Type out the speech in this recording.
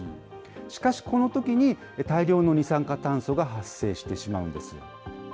しかしこのときに、大量の二酸化炭素が発生してしまうんです。